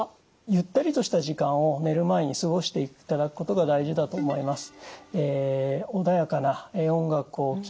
ゆったりとした時間を寝る前に過ごしていただくことが大事だと思います。